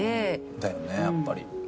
だよねやっぱり。